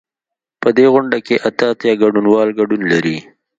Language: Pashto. په دې غونډه کې اته اتیا ګډونوال ګډون لري.